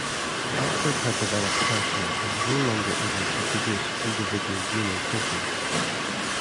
Elford had developed cancer and was no longer able to produce individual Juno trophies.